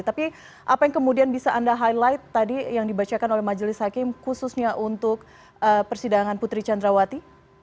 tapi apa yang kemudian bisa anda highlight tadi yang dibacakan oleh majelis hakim khususnya untuk persidangan putri candrawati